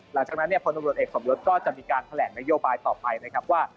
หลังจากนั้นเนี่ยพลตำรวจเอกสมยศก็จะมีการแถลงนโยบายต่อไปนะครับว่า